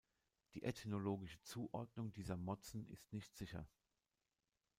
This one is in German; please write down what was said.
Die ethnologische Zuordnung dieser Motzen ist nicht sicher.